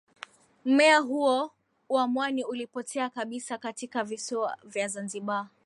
Mmea huo wa mwani ulipotea kabisa katika visiwa vya Zanzibar